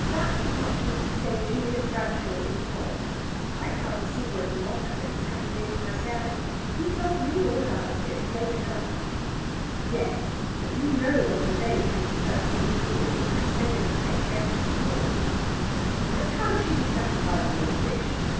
That's as much as to say Julius Bradshaw is mock. I can't see where the mockness comes in myself. He told me all about it, plain enough." "Yes and you know what a rage Mrs. Erskine Peel is in, and says it was an éclaircissement." "Why can't she be satisfied with English?...